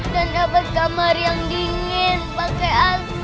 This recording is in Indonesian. dan dapat kamar yang dingin pakai ac rumah yang bagus